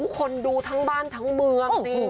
คนดูทั้งบ้านทั้งเมืองจริง